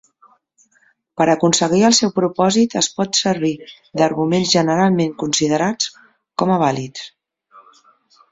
Per aconseguir el seu propòsit es pot servir d'arguments generalment considerats com a vàlids.